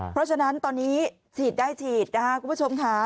เพราะฉะนั้นตอนนี้ฉีดได้ฉีดนะคะคุณผู้ชมค่ะ